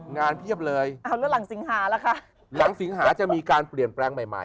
งานเพียบเลยหลังสิงหาแล้วคะหลังสิงหาจะมีการเปลี่ยนแปลงใหม่